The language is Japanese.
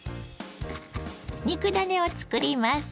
肉ダネを作ります。